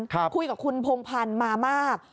ครับคุยกับคนพงพันมามาก